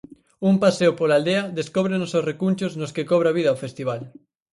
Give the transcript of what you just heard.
Un paseo pola aldea descóbrenos os recunchos nos que cobra vida o festival.